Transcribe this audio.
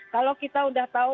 kalau kita udah tahu